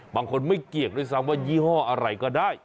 บางคนไม่เกียรติด้วยซ้ำว่ายี่ห้ออะไรก็ได้